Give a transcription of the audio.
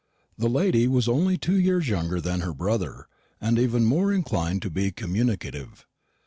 The lady was only two years younger than her brother, and even more inclined to be communicative.